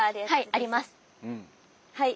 はい！